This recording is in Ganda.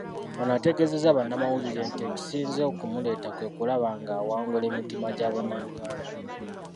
Ono ategeezezza bannamawulire nti ekisinze okumuleeta kwe kulaba ng'awangula emitima gya Bannayuganda.